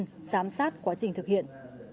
giám sát quá trình thực hiện